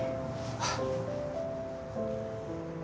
あっ。